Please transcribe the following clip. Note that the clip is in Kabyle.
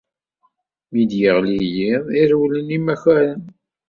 Mi d-yeɣli yiḍ i rewlen imakaren.